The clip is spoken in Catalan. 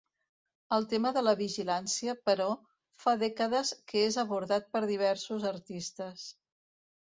El tema de la vigilància, però, fa dècades que és abordat per diversos artistes.